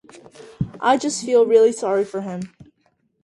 I just feel real sorry for him.